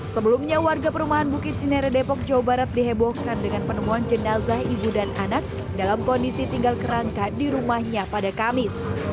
sebelumnya warga perumahan bukit cinere depok jawa barat dihebohkan dengan penemuan jenazah ibu dan anak dalam kondisi tinggal kerangka di rumahnya pada kamis